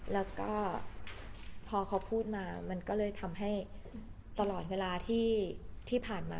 แล้วก็พอเขาพูดมามันก็เลยทำให้ตลอดเวลาที่ผ่านมา